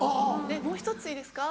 「もう１ついいですか？